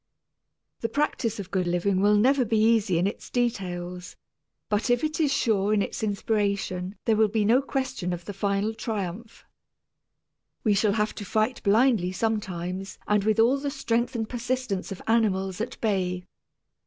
The practice of good living will never be easy in its details, but if it is sure in its inspiration there will be no question of the final triumph. We shall have to fight blindly sometimes and with all the strength and persistence of animals at bay.